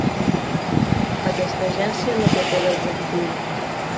Aquesta agència no té poder executiu.